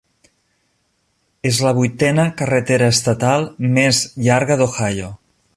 És la vuitena carretera estatal més llarga d'Ohio.